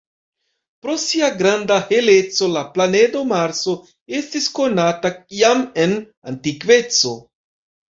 Pro sia granda heleco la planedo Marso estis konata jam en antikveco.